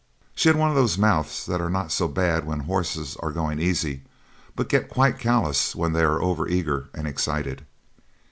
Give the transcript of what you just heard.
She had one of those mouths that are not so bad when horses are going easy, but get quite callous when they are over eager and excited.